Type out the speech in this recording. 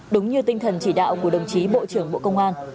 đúng như tinh thần chỉ đạo của đồng chí bộ trưởng bộ công an